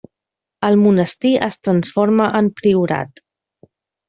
El monestir es transforma en priorat.